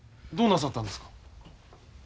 どうなさったんですか？